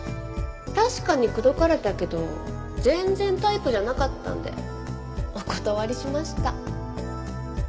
確かに口説かれたけど全然タイプじゃなかったんでお断りしました。